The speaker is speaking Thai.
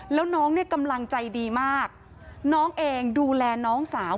แล้วน้องเนี่ยกำลังใจดีมากน้องเองดูแลน้องสาว